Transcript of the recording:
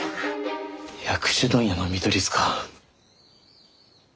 薬種問屋の見取り図か。